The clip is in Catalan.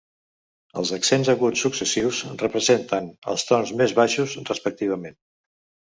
Els accents aguts successius representen els tons més baixos respectivament.